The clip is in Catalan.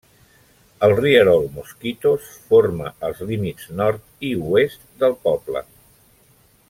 El rierol Mosquitos forma els límits nord i oest del poble.